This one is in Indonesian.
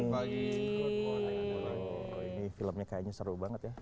ini filmnya kayaknya seru banget ya